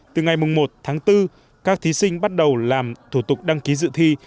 từ ngày một tháng bốn các thí sinh bắt đầu làm thủ tục đăng ký dự thi